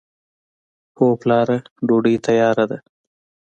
هو پلاره! ډوډۍ تیاره ده.